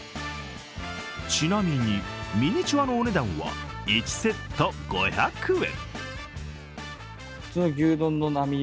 ちなみに、ミニチュアのお値段は１セット５００円。